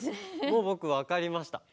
もうぼくわかりました。